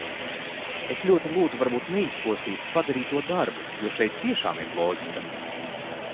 Es ļoti lūdzu varbūt neizpostīt padarīto darbu, jo šeit tiešām ir loģika.